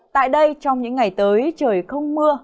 tại đây trong những ngày tới trời không mưa